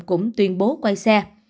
cũng tuyên bố quay xe